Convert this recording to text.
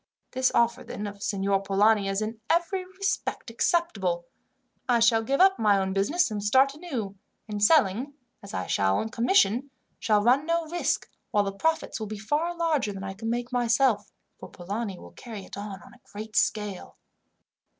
This offer, then, of Signor Polani is in every respect acceptable. I shall give up my own business and start anew, and selling, as I shall, on commission, shall run no risk, while the profits will be far larger than I could myself make, for Polani will carry it on on a great scale.